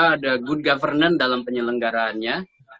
ada good governance dalam penyelenggaraannya